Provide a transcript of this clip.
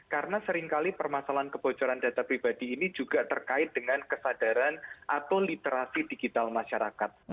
karena seringkali permasalahan kebocoran data pribadi ini juga terkait dengan kesadaran atau literasi digital masyarakat